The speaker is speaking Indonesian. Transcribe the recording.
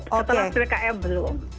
setelah pkm belum